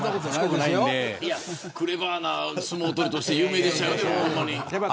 クレバーな相撲取りとして有名でしたよ。